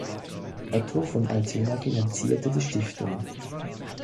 Otto von Altena finanzierte die Stiftung.